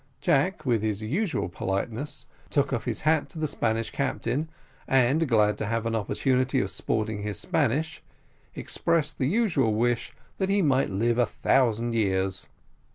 Jack, with his usual politeness, took off his hat to the Spanish captain, and, glad to have an opportunity of sporting his Spanish, expressed the usual wish that he might live a thousand years.